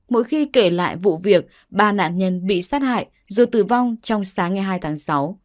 mỗi khi kể lại vụ việc ba nạn nhân bị sát hại rồi tử vong trong sáng ngày hai tháng sáu